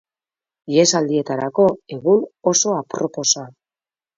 Ihesaldietarako egun oso aproposa.